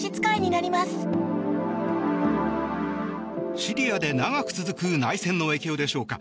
シリアで長く続く内戦の影響でしょうか。